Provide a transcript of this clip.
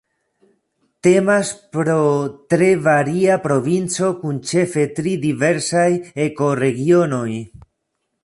Temas pro tre varia provinco kun ĉefe tri diversaj ekoregionoj.